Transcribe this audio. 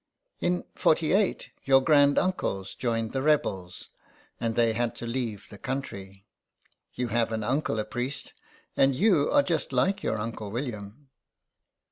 In '48 your grand uncles joined the rebels, and they had to leave the country. You have an uncle a priest, and you are just like your uncle William.'